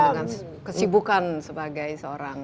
dengan kesibukan sebagai seorang